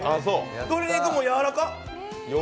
鶏肉も柔らかっ！